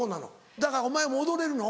だからお前も踊れるの？